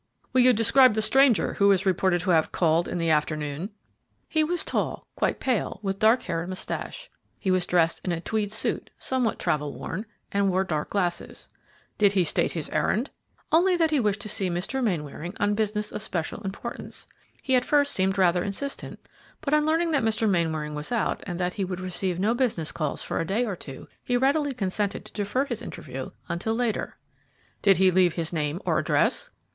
"Will you describe the stranger who is reported to have called in the afternoon." "He was tall, quite pale, with dark hair and moustache. He was dressed in a tweed suit, somewhat travel worn, and wore dark glasses." "Did he state his errand?" "Only that he wished to see Mr. Mainwaring on business of special importance. He at first seemed rather insistent, but, on learning that Mr. Mainwaring was out and that he would receive no business calls for a day or two, he readily consented to defer his interview until later." "Did he leave his name or address?"